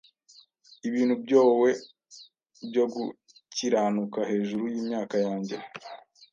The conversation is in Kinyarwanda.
Ibintu byoe byo gukiranuka hejuru yimyaka yanjye,